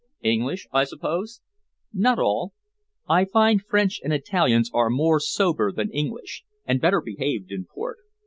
"English, I suppose?" "Not all. I find French and Italians are more sober than English, and better behaved in port."